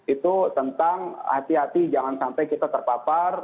itu tentang hati hati jangan sampai kita terpapar